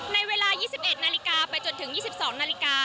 ในเวลา๒๑นาฬิกาไปจนถึง๒๒นาฬิกา